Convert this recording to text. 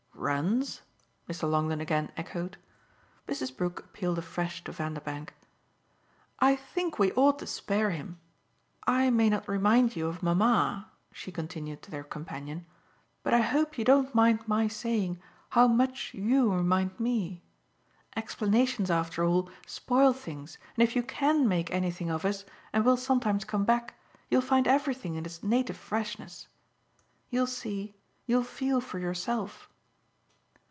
"Runs?" Mr. Longdon again echoed. Mrs. Brook appealed afresh to Vanderbank. "I think we ought to spare him. I may not remind you of mamma," she continued to their companion, "but I hope you don't mind my saying how much you remind me. Explanations, after all, spoil things, and if you CAN make anything of us and will sometimes come back you'll find everything in its native freshness. You'll see, you'll feel for yourself."